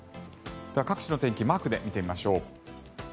各地の天気マークで見てみましょう。